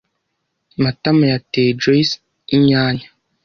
Matama yateye Joyci inyanya.